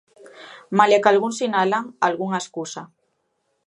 Malia que algúns sinalan algunha escusa.